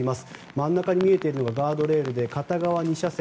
真ん中に見えているのがガードレールで片側２車線。